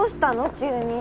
急に。